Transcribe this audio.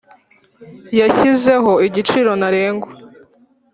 yashyizeho igiciro ntarengwa